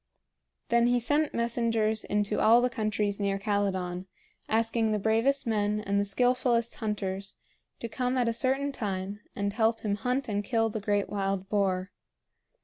Then he sent messengers into all the countries near Calydon, asking the bravest men and skillfullest hunters to come at a certain time and help him hunt and kill the great wild boar.